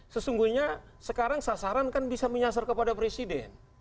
sesungguhnya sekarang sasaran kan bisa menyasar kepada presiden